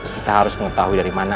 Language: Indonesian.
kita harus mengetahui dari mana